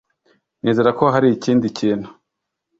nizera ko hari ikindi kintu